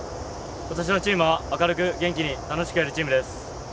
今年のチームは、明るく元気に楽しくやるチームです。